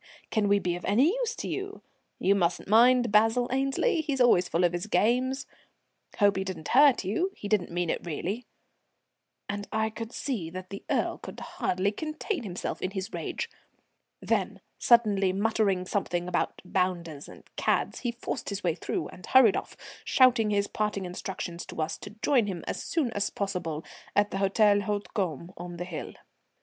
Can we be of any use to you?" "You mustn't mind Basil Annesley; he's always full of his games." "Hope he didn't hurt you. He didn't mean it really;" and I could see that the Earl could hardly contain himself in his rage. Then, suddenly muttering something about "bounders" and "cads," he forced his way through and hurried off, shouting his parting instructions to us to join him as soon as possible at the Hôtel Hautecombe on the hill.